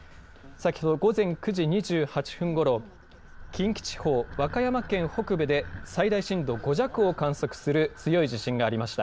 先ほど午前９時２８分ごろ、近畿地方、和歌山県北部で最大震度５弱を観測する強い地震がありました。